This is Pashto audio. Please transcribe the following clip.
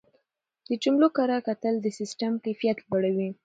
د جملو کره کتل د سیسټم کیفیت لوړوي.